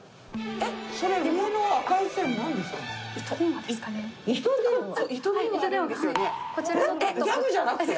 えっギャグじゃなくて？